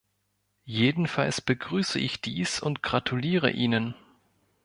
Jedenfalls begrüße ich dies und gratuliere Ihnen.